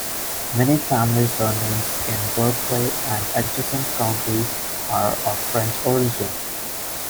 Many family surnames in Berkeley and adjacent counties are of French origin.